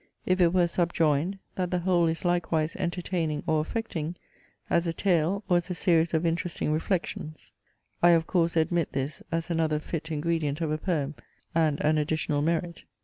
If it were subjoined, that the whole is likewise entertaining or affecting, as a tale, or as a series of interesting reflections; I of course admit this as another fit ingredient of a poem, and an additional merit.